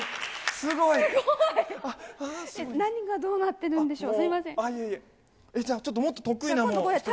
すごい！何がどうなってるんでしょう？